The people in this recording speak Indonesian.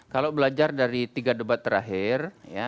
kalau belajar dari tiga debat terakhir